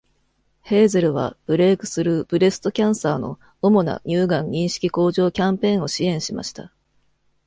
ヘーゼルは、「ブレークスルー・ブレスト・キャンサー」の主な乳がん認識向上キャンペーンを支援しました。